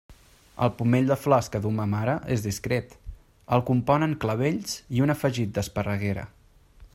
El pomell de flors que duu ma mare és discret; el componen clavells i un afegit d'esparreguera.